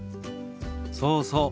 そうそう。